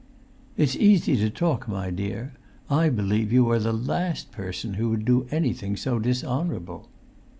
"It's easy to talk, my dear! I believe you are the last person who would do anything so dishonourable."